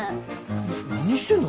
何してんの？